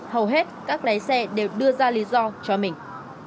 hầu hết các lái xe đều đưa ra lý do cho mình